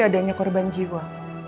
adanya korban jiwa